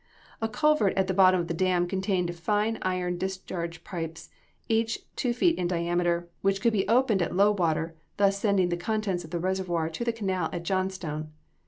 A culvert at the bottom of the dam contained fine iron discharge pipes, each two feet in diameter, which could be opened at low water thus sending the contents of the reservoir to the canal at Johnstown.